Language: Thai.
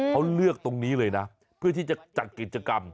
เขาเลือกตรงนี้เลยนะเพื่อที่จะจัดกิจกรรม